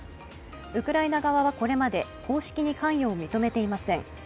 ウクライナ側はこれまで公式に関与を認めていません。